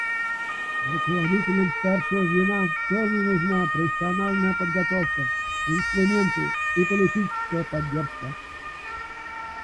Руководителям старшего звена тоже нужна профессиональная подготовка, инструменты и политическая поддержка.